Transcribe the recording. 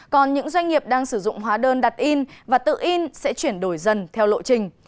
còn những doanh nghiệp đang sử dụng hóa đơn đặt in và tự in sẽ chuyển đổi dần theo lộ trình